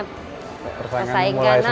persaingan mulai semakin besar